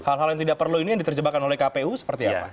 hal hal yang tidak perlu ini yang diterjebakkan oleh kpu seperti apa